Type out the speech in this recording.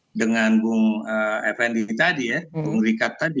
dengan bung effendi tadi ya bung rikat tadi